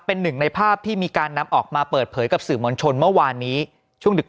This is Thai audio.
เป็นหนึ่งในภาพที่มีการนำออกมาเปิดเผยกับสื่อมวลชนเมื่อวานนี้ช่วงดึก